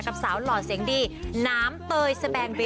กับสาวหล่อเสียงดีน้ำเตยสแบนเบน